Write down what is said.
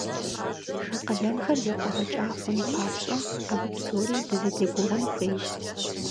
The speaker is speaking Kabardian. А къалэнхэр зэфӀэгъэкӀа хъун папщӀэ абы псори дызэдегугъун хуейщ.